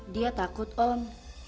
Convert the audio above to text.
dia takut om